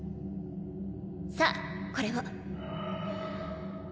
さあこれを。